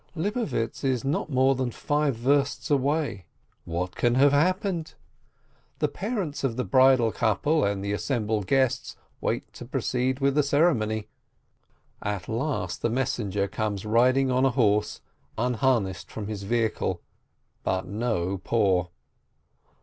Lipovietz is not more than five versts away — what can have happened? The parents of the bridal couple and the assembled guests wait to proceed with the ceremony. At last the messenger comes riding on a horse unharnessed from his vehicle, but no poor.